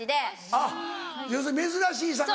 あっ要するに珍しい魚を。